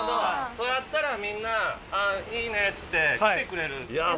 そうやったらみんな「いいね」って来てくれる。